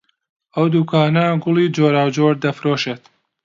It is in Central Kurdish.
ئەم دوکانە گوڵی جۆراوجۆر دەفرۆشێت.